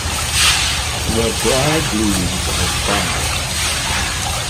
The dried leaves of var.